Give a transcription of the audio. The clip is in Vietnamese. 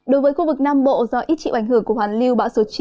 đối với khu vực nam bộ do ít chịu ảnh hưởng của hoàn lưu bão số chín